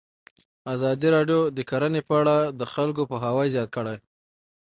ازادي راډیو د کرهنه په اړه د خلکو پوهاوی زیات کړی.